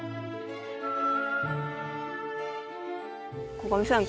鴻上さん